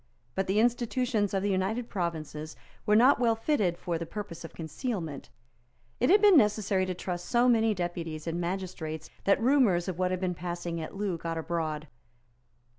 But the institutions of the United Provinces were not well fitted for the purpose of concealment. It had been necessary to trust so many deputies and magistrates that rumours of what had been passing at Loo got abroad.